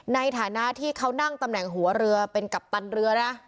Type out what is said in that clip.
ในฐานะที่เขานั่งตำแหน่งหัวเรือเป็นกัปตันเรือนะ